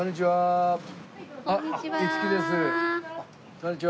こんにちは。